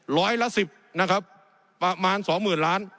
ร้อยละ๑๐ประมาณ๒๐๐๐๐ล้าน